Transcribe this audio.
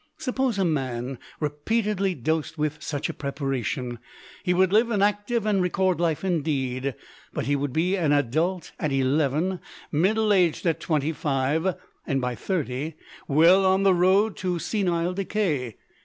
Suppose a man repeatedly dosed with such a preparation: he would live an active and record life indeed, but he would be an adult at eleven, middle aged at twenty five, and by thirty well on the road to senile decay.